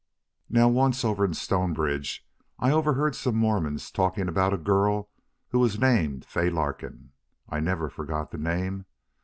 "Now once over in Stonebridge I overheard some Mormons talking about a girl who was named Fay Larkin. I never forgot the name.